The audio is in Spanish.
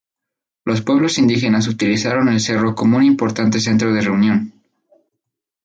Los pueblos indígenas utilizaron el cerro como un importante centro de reunión.